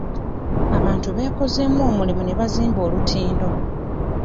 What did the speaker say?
Abantu beekozeemu omulimu ne bazimba olutindo.